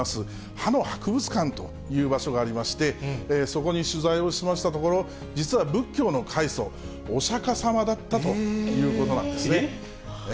歯の博物館という場所がありまして、そこに取材をしましたところ、実は仏教の開祖、お釈迦様だったということなんですね。